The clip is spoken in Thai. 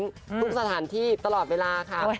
ทุกสถานที่ตลอดเวลาค่ะ